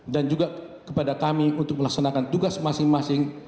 dan juga kepada kami untuk melaksanakan tugas masing masing